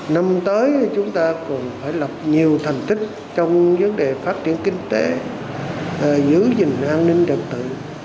năm tới chúng ta còn phải lập nhiều thành tích trong vấn đề phát triển kinh tế giữ gìn an ninh trật tự